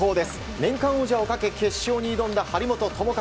年間王者をかけ決勝に臨んだ張本智和。